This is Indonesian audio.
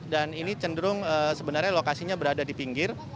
dan ini cenderung sebenarnya lokasinya berada di pinggir